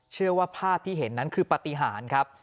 เชื่อว่าภาพที่เห็นนั้นคือปฏิหารครับ